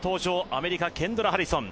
アメリカ、ケンドラ・ハリソン。